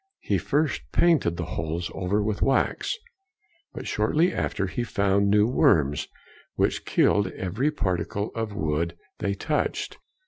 He first painted the holes over with wax, but shortly after he found new worms which killed every particle of wood they touched.